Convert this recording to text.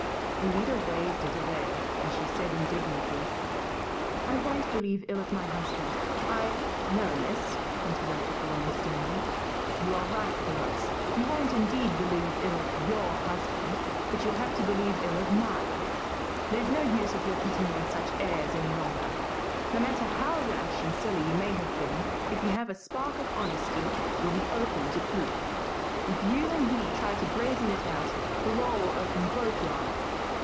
Alida waved it away as she said indignantly, "I won't believe ill of my husband. I " "No, miss," interrupted the woman sternly, "you are right for once. You won't indeed believe ill of YOUR husband, but you'll have to believe ill of MINE. There's no use of your putting on such airs any longer. No matter how rash and silly you may have been, if you have a spark of honesty you'll be open to proof. If you and he try to brazen it out, the law will open both your eyes.